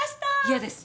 嫌です。